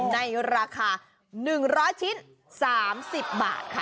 ในราคา๑๐๐ชิ้น๓๐บาทค่ะ